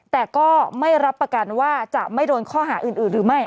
แต่ก็ไม่รับประกันว่าจะไม่โดนข้อหาอื่นหรือไม่